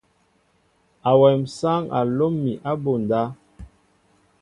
Awem sááŋ a lóm mi abunda.